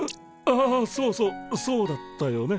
ああそうそうそうだったよね。